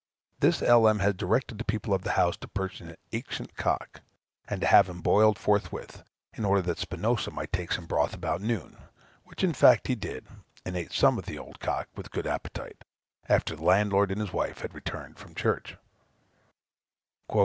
This L.M. had directed the people of the house to purchase an ancient cock, and to have him boiled forthwith, in order that Spinosa might take some broth about noon, which in fact he did, and ate some of the old cock with a good appetite, after the landlord and his wife had returned from church.